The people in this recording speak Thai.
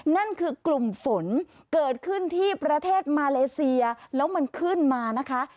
นั่นคือกลุ่มฝนเกิดขึ้นที่ประเทศมาเลเซียแล้วมันขึ้นมานะคะ